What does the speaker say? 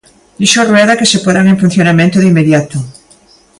Dixo Rueda que se porán en funcionamento "de inmediato".